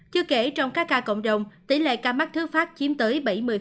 chưa kể trong các ca cộng đồng tỷ lệ ca mắc thứ phát chiếm tới bảy mươi